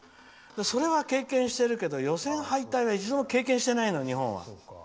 それは経験してるけど予選敗退は一度も経験してないのよ、日本は。